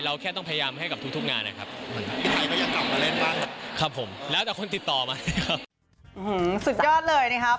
เราแค่ต้องพยายามให้กับทุกงานเนี่ยครับครับผมแล้วแต่คนติดต่อมาฮือสุดยอดเลยเนี่ยครับ